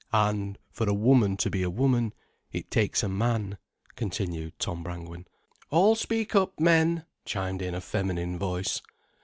"And for a woman to be a woman, it takes a man——" continued Tom Brangwen. "All speak up, men," chimed in a feminine voice.